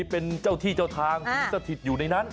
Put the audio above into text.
เป็นเจ้าที่เจ้าทางสิงสถิตอยู่ในนั้น